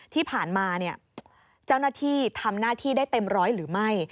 ที่ผ่านมาเจ้าหน้าที่ทำหน้าที่ได้เต็มร้อยหรือไม่